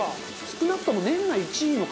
少なくとも年内１位の可能性。